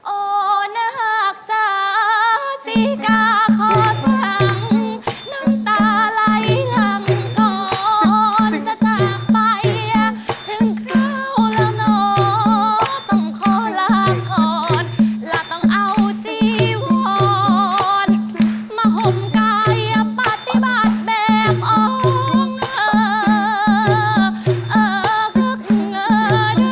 โอ้นักจ๋าสีกาขอสังน้ำตาไหลหลังคอร์จะจากไปถึงคราวแล้วนอต้องขอล้างคอร์แล้วต้องเอาจีวรมาห่มกายปฏิบัติแบบอ้องเออดึกเหงอดึกเหงอ